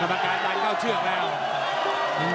นี่อันตรายมากทำไมโดด้งตอนนี้